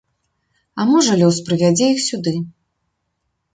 А можа лёс прывядзе іх сюды.